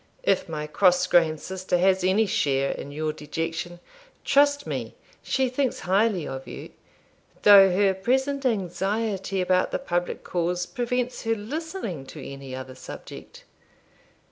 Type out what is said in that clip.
'If my cross grained sister has any share in your dejection, trust me she thinks highly of you, though her present anxiety about the public cause prevents her listening to any other subject.